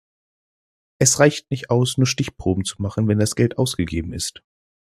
Es reicht nicht aus, nur Stichproben zu machen, wenn das Geld ausgegeben ist.